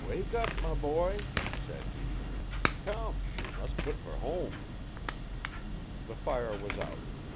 'Wake up, my boy,' said he. 'Come, we mus' put fer home.' The fire was out.